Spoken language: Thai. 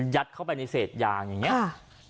ยัดเข้าไปในเศษยางอย่างเงี้ย